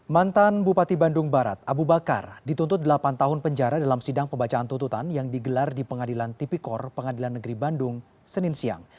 mantan bupati bandung barat abu bakar dituntut delapan tahun penjara dalam sidang pembacaan tuntutan yang digelar di pengadilan tipikor pengadilan negeri bandung senin siang